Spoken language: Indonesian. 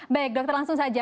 baik dokter langsung saja